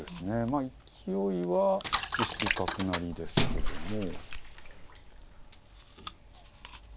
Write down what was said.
まあ勢いは７七角成ですけども。